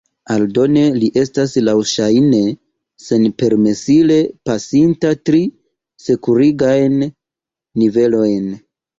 Aldone li estas laŭŝajne senpermesile pasinta tri sekurigajn nivelojn.